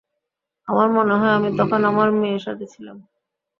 আমার মনে হয়, আমি তখন আমার মেয়ের সাথে ছিলাম।